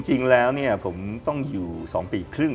จริงแล้วผมต้องอยู่๒ปีครึ่ง